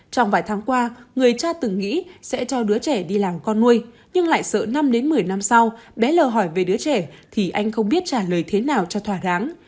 trong vài tháng qua người cha từng nghĩ sẽ cho đứa trẻ đi làm con nuôi nhưng lại sợ năm đến một mươi năm sau bé lờ hỏi về đứa trẻ thì anh không biết trả lời thế nào cho thỏa đáng